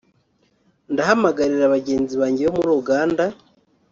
“Ndahamagarira bagenzi banjye bo muri Uganda